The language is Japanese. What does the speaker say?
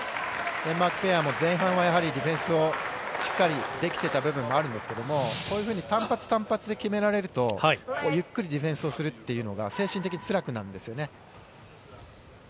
デンマークペアも前半はやはりディフェンスをしっかりできていた部分もあるんですけども、単発単発で決められるとゆっくりディフェンスをするというのが精神的につらくなるんですよね。